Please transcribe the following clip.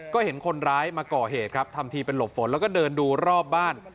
ก็เห็นคนร้ายมาก่อเหตุครับทำทีเป็นหลบฝนแล้วก็เดินดูรอบบ้าน